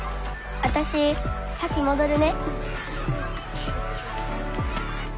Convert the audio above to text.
私先戻るね。